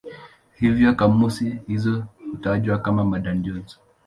Hivyo kamusi hizo hutajwa kama "Madan-Johnson".